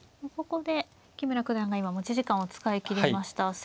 ここで木村九段が今持ち時間を使い切りました。